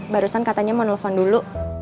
barusan katanya mau nelfon dulu